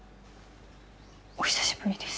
お久しぶりです。